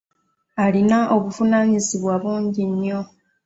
Alina obuvunaanyizibwa bungi nnyo.